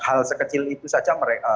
hal sekecil itu saja